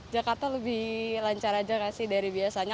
jakarta lebih lancar aja gak sih dari biasanya